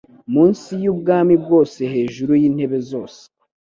Munsi yubwami bwose hejuru yintebe zose